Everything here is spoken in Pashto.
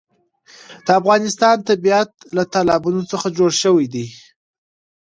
د افغانستان طبیعت له تالابونه څخه جوړ شوی دی.